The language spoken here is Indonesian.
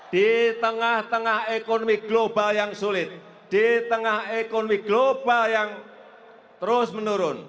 di tengah tengah ekonomi global yang sulit di tengah ekonomi global yang terus menurun